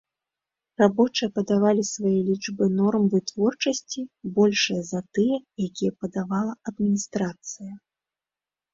Рабочыя падавалі свае лічбы норм вытворчасці, большыя за тыя, якія падавала адміністрацыя.